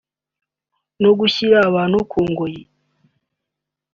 no gushyira abantu ku ngoyi